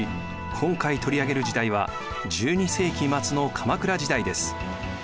今回取り上げる時代は１２世紀末の鎌倉時代です。